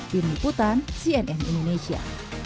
dini putan cnn indonesia